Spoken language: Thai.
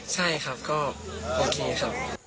ใช่ครับก็โอเคครับ